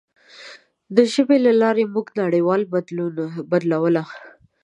د ژبې له لارې موږ نړۍ بدلوله.